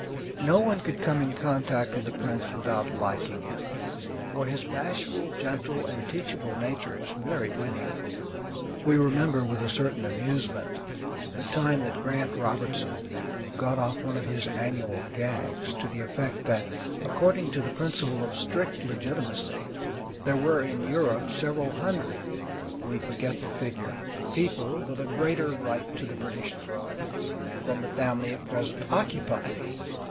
No one could come in contact with the prince without liking him, for his bashful, gentle, and teachable nature is very winning. We remember with a certain amusement the time that Grant Robertson got off one of his annual gags to the effect that, according to the principle of strict legitimacy, there were in Europe several hundred (we forget the figure) people with a greater right to the British throne than the family at present occupying it.